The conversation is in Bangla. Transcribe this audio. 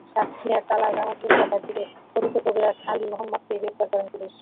সাতক্ষীরার তালার জালালপুর এলাকা থেকে কথিত কবিরাজ আলী মোহাম্মদকে গ্রেপ্তার করেছে পুলিশ।